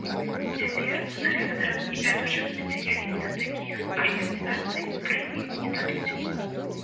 Цяпер дырэктарам і вядучым спецыялістам такіх арганізацыі прэмію не дадуць.